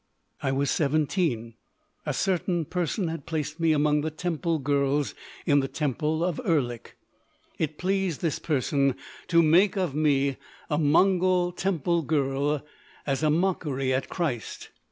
"I was seventeen. A certain person had placed me among the temple girls in the temple of Erlik. It pleased this person to make of me a Mongol temple girl as a mockery at Christ.